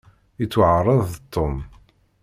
Yettwaɛreḍ-d Tom.